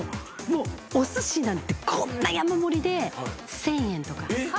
おすしなんてこんな山盛りで１，０００円とか。